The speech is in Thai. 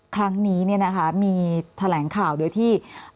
ครั้งนี้นี้นะคะมีแถลงข่าวโดยที่